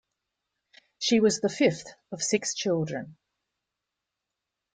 She was the fifth of six children.